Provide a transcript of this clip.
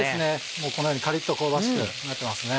もうこのようにカリっと香ばしくなってますね。